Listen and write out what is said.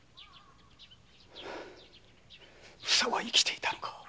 「ふさ」は生きていたのか？